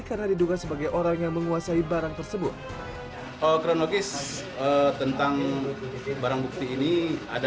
karena diduga sebagai orang yang menguasai barang tersebut o kronologis tentang barang bukti ini ada